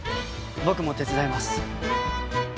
僕も手伝います。